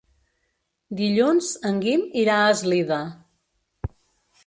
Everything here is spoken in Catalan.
Dilluns en Guim irà a Eslida.